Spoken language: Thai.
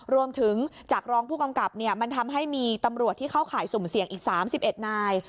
รวมถึงจากรองผู้กำกับมันทำให้มีตำรวจที่เข้าข่ายสุ่มเสี่ยงอีก๓๑นาย